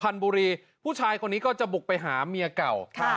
พันธุ์บุรีผู้ชายคนนี้ก็จะบุกไปหาเมียเก่า